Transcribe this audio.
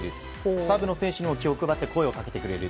サブの選手にも気を配って声をかけてくれる。